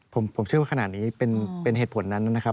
ผมเชื่อว่าขนาดนี้เป็นเหตุผลนั้นนะครับ